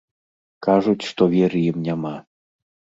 Кажуць, што веры ім няма.